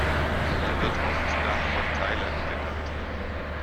Er wird oft „Dach von Thailand“ genannt.